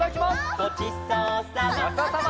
「」「ごちそうさま」「」